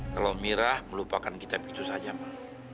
kalo mira melupakan kita begitu saja ma